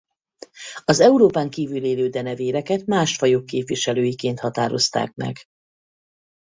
Az Európán kívül élő denevéreket más fajok képviselőiként határozták meg.